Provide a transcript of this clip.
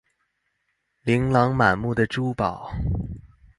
琳琅滿目的珠寶